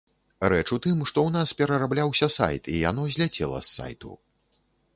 Рэч у тым, што ў нас перарабляўся сайт, і яно зляцела з сайту.